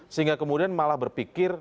sehingga kemudian malah berpikir